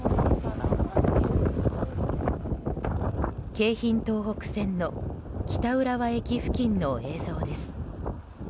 京浜東北線の北浦和駅付近の映像です。